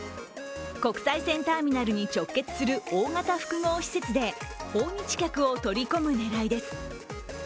国際線ターミナルに直結する大型複合施設で訪日客を取り込む狙いです。